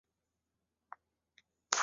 主要用于散调音乐。